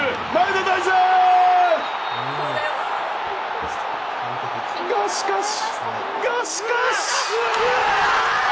が、しかし。